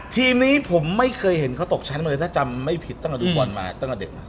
ทีมนี้ผมไม่เคยเห็นเขาตกชั้นมาเลยถ้าจำไม่ผิดตั้งแต่เราดูบอลมาตั้งแต่เด็กมา